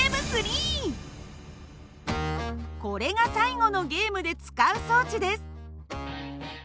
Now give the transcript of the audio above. これが最後のゲームで使う装置です。